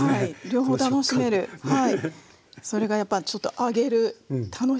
それがやっぱちょっと揚げる楽しさですね。